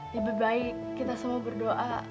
lebih baik kita semua berdoa